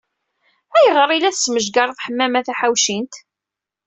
Ayɣer ay la tesmejgareḍ Ḥemmama Taḥawcint?